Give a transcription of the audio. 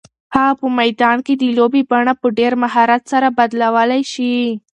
هغه په میدان کې د لوبې بڼه په ډېر مهارت سره بدلولی شي.